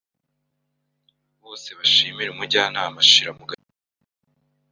Bose bashimire umujyanama ashira mugaciro